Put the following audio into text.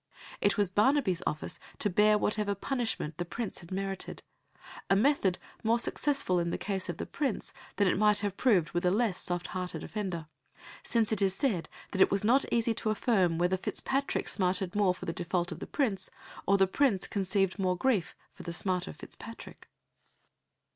It was Barnaby's office to bear whatever punishment the Prince had merited a method more successful in the case of the Prince than it might have proved with a less soft hearted offender, since it is said that "it was not easy to affirm whether Fitzpatrick smarted more for the default of the Prince, or the Prince conceived more grief for the smart of Fitzpatrick."